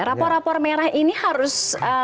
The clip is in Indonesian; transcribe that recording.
rapor rapor merah ini harus